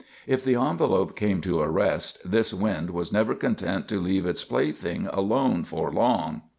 If the envelop came to a rest, this wind was never content to leave its plaything alone for long.